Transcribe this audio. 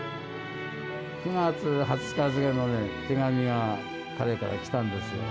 ９月２０日付けのね、手紙が彼から来たんですよ。